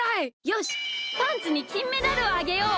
よしパンツにきんメダルをあげよう！